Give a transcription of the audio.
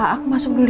aku masuk dulu ya